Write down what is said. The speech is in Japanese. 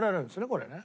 これね。